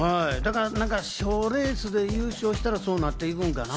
賞レースで優勝したら、そうなっていくんかな？